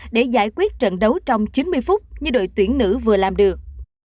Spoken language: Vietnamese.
để giải quyết trận đấu trong chín mươi phút như đội tuyển nữ vừa làm được